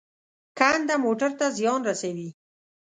کنده موټر ته زیان رسوي.